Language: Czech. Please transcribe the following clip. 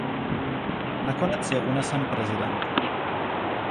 Nakonec je unesen prezident.